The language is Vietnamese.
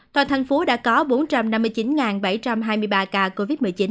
toàn thành phố đã có bốn trăm năm mươi chín bảy trăm hai mươi ba ca covid một mươi chín